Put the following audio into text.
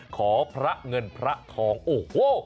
ขอพระเงินพระทองโอ้โห